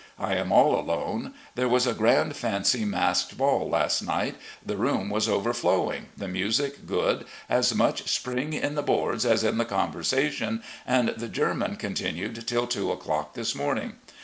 I am all alone. There was a grand fancy masked ball last night. The room was overflowing, the music good, as much spring in the boards as in the conversation, and the german continued till two o'clock this morning.